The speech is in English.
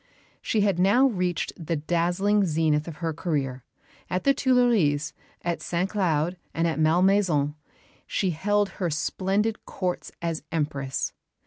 She had now reached the dazzling zenith of her career. At the Tuileries, at St Cloud, and at Malmaison, she held her splendid Courts as Empress.